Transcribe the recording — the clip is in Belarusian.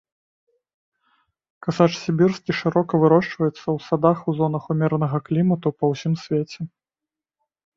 Касач сібірскі шырока вырошчваецца ў садах у зонах умеранага клімату па ўсім свеце.